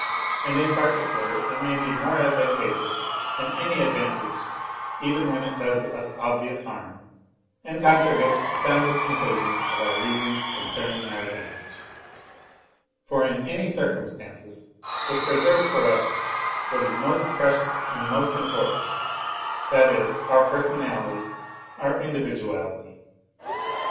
And in particular it may be more advantageous than any advantage even when it does us obvious harm, and contradicts the soundest conclusions of our reason concerning our advantage for in any circumstances it preserves for us what is most precious and most important that is, our personality, our individuality.